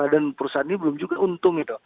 dan perusahaan ini belum juga untung